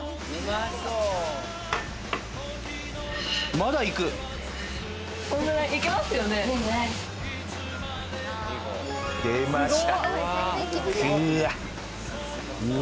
まだ行く？出ました！